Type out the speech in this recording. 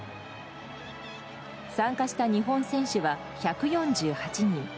参加した日本選手は１４８人。